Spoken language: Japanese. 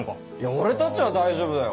俺たちは大丈夫だよ。